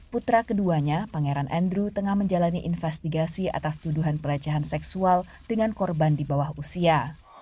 putra keduanya pangeran andrew tengah menjalani investigasi atas tuduhan pelecehan seksual dengan korban di bawah usia